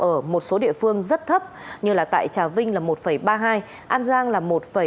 ở một số địa phương rất thấp như tại trà vinh là một ba mươi hai an giang là một bốn